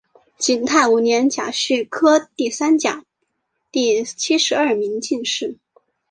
景泰五年甲戌科第三甲第七十二名进士。